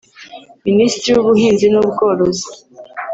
Ministiri w’Ubuhinzi n’Ubworozi